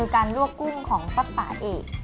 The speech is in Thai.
ข้าวกุ้งของป๊าป่าเอก